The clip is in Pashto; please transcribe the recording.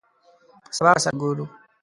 سبا به سره ګورو !